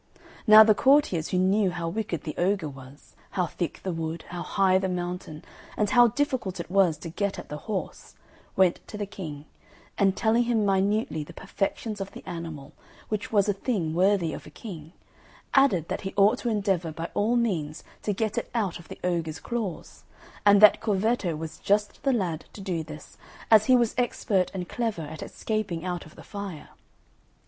Now the courtiers, who knew how wicked the ogre was, how thick the wood, how high the mountain, and how difficult it was to get at the horse, went to the King, and telling him minutely the perfections of the animal, which was a thing worthy of a King, added that he ought to endeavour by all means to get it out of the ogre's claws, and that Corvetto was just the lad to do this, as he was expert and clever at escaping out of the fire.